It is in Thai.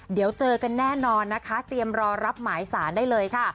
เดี๋ยวเจอกันแน่นอนนะคะเตรียมรอรับหมายสารได้เลยค่ะ